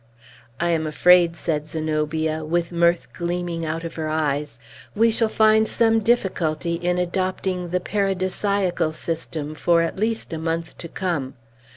"I am afraid," said Zenobia, with mirth gleaming out of her eyes, "we shall find some difficulty in adopting the paradisiacal system for at least a month to come.